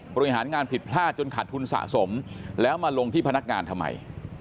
บริหารงานผิดพลาดจนขาดทุนสะสมแล้วมาลงที่พนักงานทำไม